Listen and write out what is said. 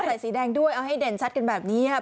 ใส่สีแดงด้วยเอาให้เด่นชัดกันแบบนี้ครับ